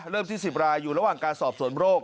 ที่๑๐รายอยู่ระหว่างการสอบสวนโรค